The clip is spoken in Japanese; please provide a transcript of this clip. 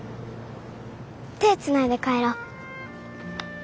手つないで帰ろう。